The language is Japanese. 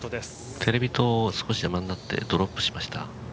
テレビ塔が少し邪魔になってドロップしました。